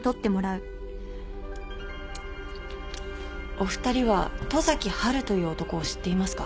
お二人は十崎波琉という男を知っていますか？